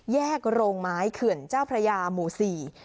แยกโรงไม้เขื่อนเจ้าพระยามูศี